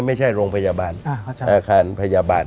ไม่ใช่โรงพยาบาลอาคารพยาบาล